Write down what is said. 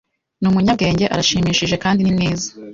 Ni umunyabwenge, arashimishije, kandi ni mwiza